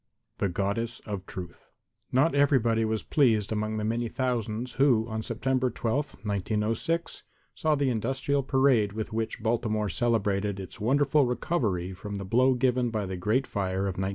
The Goddess of Truth Not everybody was pleased among the many thousands who on September 12, 1906, saw the industrial parade with which Baltimore celebrated its wonderful recovery from the blow given by the great fire of 1904.